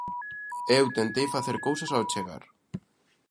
Eu tentei facer cousas ao chegar.